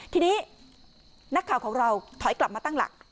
ทีนี้นักข่าวของเราถอยกลับมาตั้งหลัก